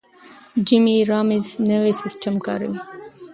جیمي رامیرز نوی سیستم کاروي.